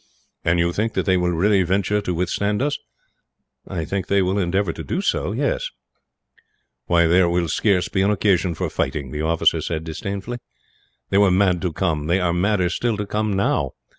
"And you think that they will really venture to withstand us? "I think that they will endeavour to do so." "Why, there will scarce be an occasion for fighting," the officer said, disdainfully. "They were mad to come; they are madder, still, to come now.